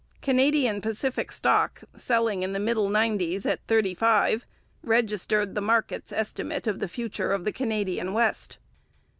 Canadian Pacific stock, selling in the middle nineties at 35, registered the market's estimate of the future of the Canadian West.